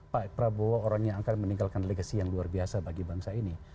pak prabowo orangnya akan meninggalkan legasi yang luar biasa bagi bangsa ini